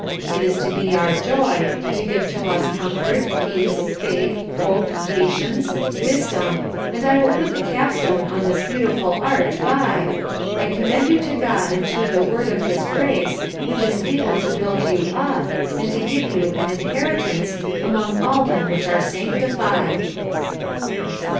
It is to be our joy, to give to us comfort, peace, faith, hope, patience, wisdom, and I will put the cap stone on this beautiful arch by 'I commend you to God and to the Word of His grace, which is able to build you up, and to give you an inheritance among all them which are sanctified.'"